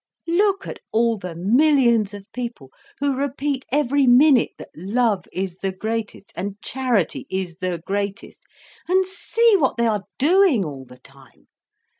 Look at all the millions of people who repeat every minute that love is the greatest, and charity is the greatest—and see what they are doing all the time.